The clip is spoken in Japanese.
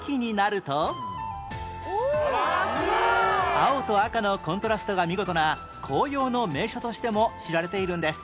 青と赤のコントラストが見事な紅葉の名所としても知られているんです